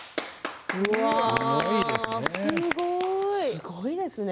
すごいですね。